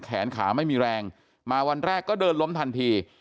แขนขาไม่มีแรงมาวันแรกก็เดินล้มทันที